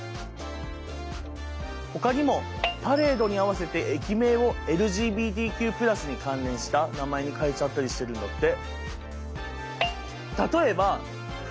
ほかにもパレードに合わせて駅名をＬＧＢＴＱ＋に関連した名前に変えちゃったりしてるんだって。